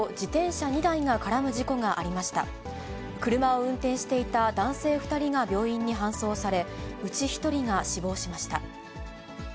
車を運転していた男性２人が病院に搬送され、うち１人が死亡しました。